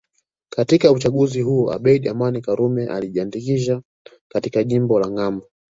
Katika uchaguzi huo Abeid Amani Karume alijiandikisha katika jimbo la Ngambo